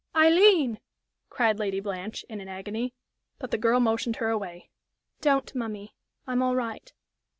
"Aileen!" cried Lady Blanche, in an agony. But the girl motioned her away. "Don't, mummy. I'm all right."